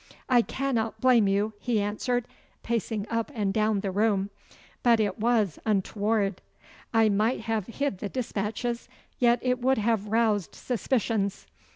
'I cannot blame you,' he answered, pacing up and down the room. 'But it was untoward. I might have hid the despatches, yet it would have roused suspicions.